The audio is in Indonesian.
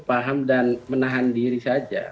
paham dan menahan diri saja